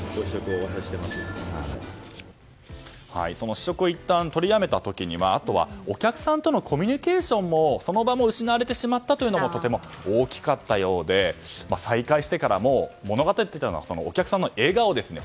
試食をいったん取りやめた時にはあとはお客さんとのコミュニケーションもその場も失われてしまったというのもとても大きかったようで再開してからも物語っていたのはお客さんの笑顔ですね。